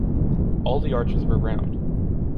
All the arches were round.